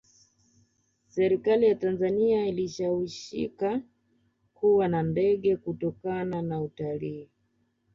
serikali ya tanzania ilishawishika kuwa na ndege kutokana na utalii